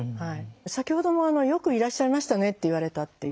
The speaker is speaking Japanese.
先ほども「よくいらっしゃいましたね」って言われたっていう。